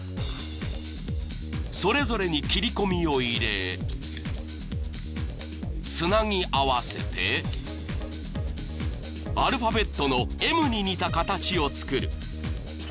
［それぞれに切り込みを入れつなぎ合わせてアルファベットの「Ｍ」に似た形を作る］